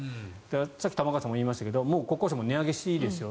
さっき玉川さんも言いましたが国交省も値上げしていいですよ